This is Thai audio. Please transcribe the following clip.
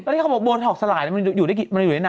บัวท็อกสลายเนี่ย